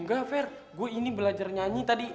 engga fair gua ini belajar nyanyi tadi